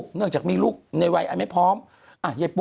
คุณหนุ่มกัญชัยได้เล่าใหญ่ใจความไปสักส่วนใหญ่แล้ว